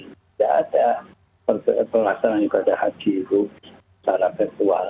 tidak ada pelaksanaan ibadah haji itu secara virtual